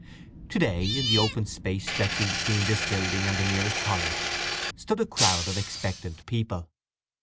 To day, in the open space stretching between this building and the nearest college, stood a crowd of expectant people.